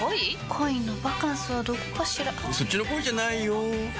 恋のバカンスはどこかしらそっちの恋じゃないよ